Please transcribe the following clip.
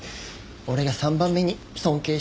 俺が３番目に尊敬してる方です。